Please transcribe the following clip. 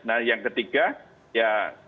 nah yang ketiga ya